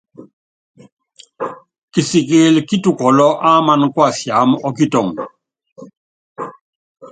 Kisikili kítukɔlɔ́ ámaná kuasiámá ɔ́kitɔŋɔ.